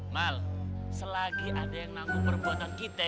mal selagi ada yang nanggung perbuatan kita